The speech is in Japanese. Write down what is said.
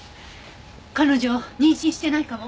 彼女妊娠してないかも。